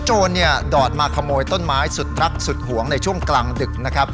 โดรนเนี่ยดอดมาขโมยต้นไม้สุดรักสุดห่วงในช่วงกลางดึก